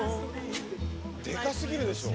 でかすぎるでしょ！